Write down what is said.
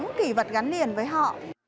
những kỷ vật gắn liền với họ